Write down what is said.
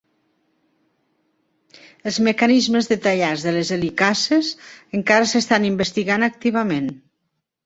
Els mecanismes detallats de les helicases encara s’estan investigant activament.